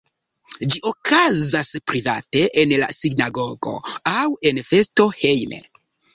Ĝi okazas private en la sinagogo aŭ en festo hejme.